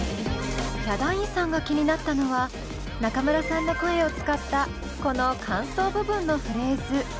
ヒャダインさんが気になったのは中村さんの声を使ったこの間奏部分のフレーズ。